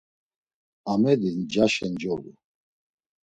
Amedi ncaşen colu.